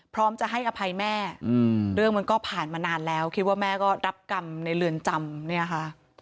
พร้อมจะให้อภัยแม่เรื่องมันก็ผ่านมานานแล้วคิดว่าแม่ก็รับกรรมในเรือนจำเนี่ยค่ะ